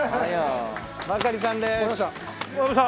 バカリさんです。